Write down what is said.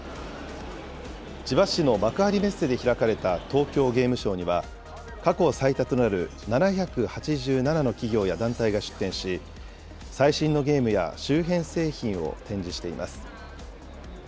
千葉市の幕張メッセで開かれた東京ゲームショウには、過去最多となる７８７の企業や団体が出展し、最新のゲームや周辺製品を展示しています。